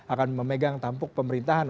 akan memegang tampuk pemerintahan